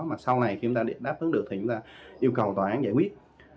mà sau này chúng ta đáp ứng được thì chúng ta yêu cầu tòa án giải quyết